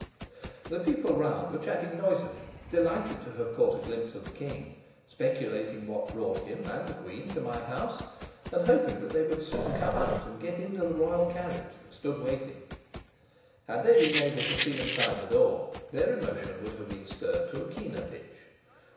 The people round were chatting noisily, delighted to have caught a glimpse of the king, speculating what brought him and the queen to my house, and hoping that they would soon come out and get into the royal carriage that still stood waiting. Had they been able to see inside the door, their emotion would have been stirred to a keener pitch.